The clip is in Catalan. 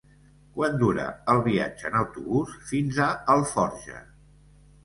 Quant dura el viatge en autobús fins a Alforja?